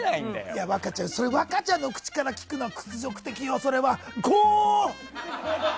いや、若ちゃん、それを若ちゃんの口から聞くのは屈辱的よ、それは。